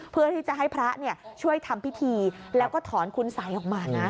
เพื่อที่จะให้พระช่วยทำพิธีแล้วก็ถอนคุณสัยออกมานะ